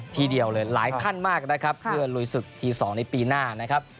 ทีเดียวเลยหลายขั้นมากนะครับเพื่อลุยศึกที๒ในปีหน้านะครับ